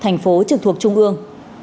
thành phố trực thuộc trung ương